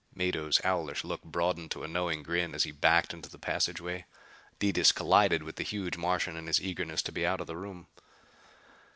Mado's owlish look broadened to a knowing grin as he backed into the passageway. Detis collided with the huge Martian in his eagerness to be out of the room.